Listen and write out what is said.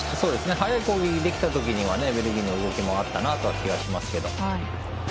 速い攻撃ができたときはベルギーの動きもあったなと思いますけど。